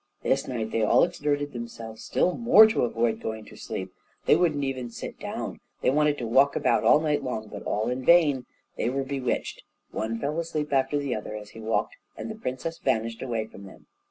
This night they all exerted themselves still more to avoid going to sleep. They wouldn't even sit down, they wanted to walk about all night long, but all in vain; they were bewitched; one fell asleep after the other as he walked and the princess vanished away from them.